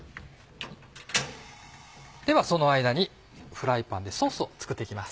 ではその間にフライパンでソースを作って行きます。